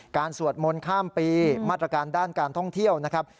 สวดมนต์ข้ามปีมาตรการด้านการท่องเที่ยวนะครับ